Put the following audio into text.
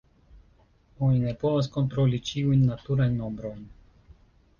Oni ne povas kontroli ĉiujn naturajn nombrojn.